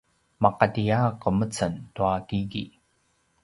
maqati a qemeceng tua kiki